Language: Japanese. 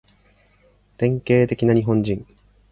典型的な日本人